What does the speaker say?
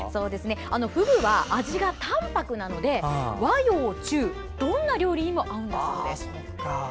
フグは味が淡泊なので和洋中どんな料理にも合うんだそうです。